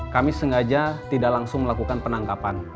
kami sengaja tidak langsung melakukan penangkapan